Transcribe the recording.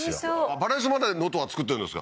馬鈴薯まで能登は作ってるんですか？